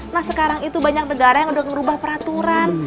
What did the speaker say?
nah sekarang itu banyak negara yang udah ngerubah peraturan